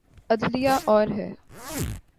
عدلیہ اور ہے۔